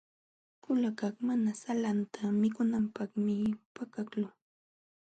Kulukaq mana salanta mikunanpaqmi pakaqlun.